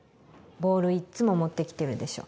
ボールいつも持って来てるでしょ。